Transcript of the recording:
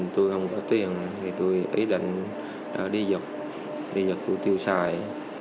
tôi không có tiền tôi ý định đi giật đi giật tôi tiêu xài